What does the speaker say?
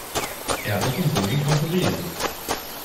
Airbus und Boeing konkurrieren.